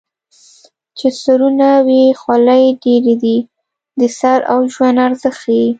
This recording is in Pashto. چې سرونه وي خولۍ ډېرې دي د سر او ژوند ارزښت ښيي